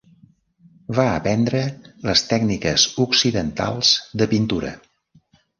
Va aprendre les tècniques occidentals de pintura.